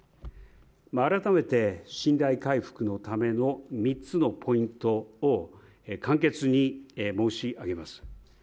改めて、信頼回復のための３つのポイントを簡潔に申し上げます。